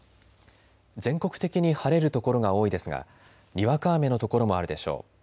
全国的に晴れる所が多いですがにわか雨の所もあるでしょう。